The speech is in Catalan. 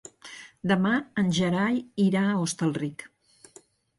Demà en Gerai irà a Hostalric.